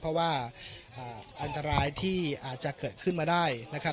เพราะว่าอันตรายที่อาจจะเกิดขึ้นมาได้นะครับ